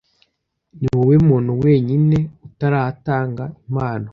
Niwowe muntu wenyine utaratanga impano.